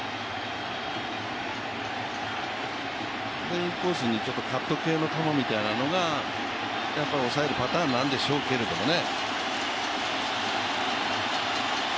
インコースにちょっとカット系の球みたいのが抑えるパターンなんでしょうけどね。